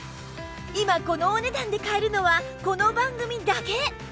今このお値段で買えるのはこの番組だけ！